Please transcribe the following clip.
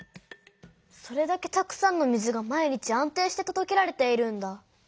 それだけたくさんの水が毎日安定してとどけられているんだ。